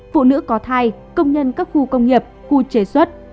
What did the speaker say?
phụ nữ có thai công nhân các khu công nghiệp khu chế xuất